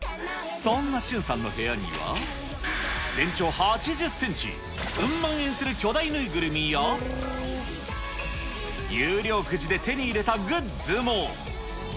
そんなしゅんさんの部屋には、全長８０センチ、うん万円する巨大縫いぐるみや、有料くじで手に入れたグッズも。